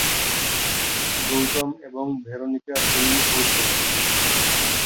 গৌতম এবং ভেরোনিকা দিল্লি পৌঁছোয়।